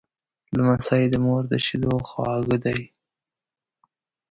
لمسی د مور د شیدو خواږه دی.